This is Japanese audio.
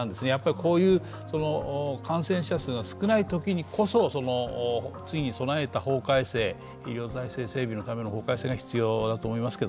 こういう感染者数が少ないときこそ次に備えた医療体制整備のための法改正が必要だと思います。